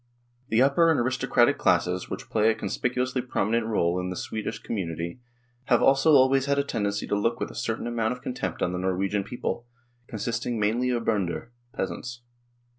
The upper and aristocratic classes, which play a conspicuously prominent role in the Swedish com munity, have also always had a tendency to look with a certain amount of contempt on the Norwegian people, consisting mainly of " Bonder " (peasants).